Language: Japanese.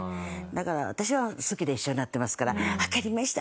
だから私は好きで一緒になってますから「わかりました。